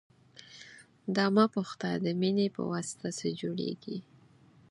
دا مه پوښته د مینې پواسطه څه جوړېږي.